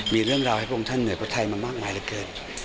มีเรื่องราวให้พระองค์ท่านเหนือพระไทยมามากมายเหลือเกิน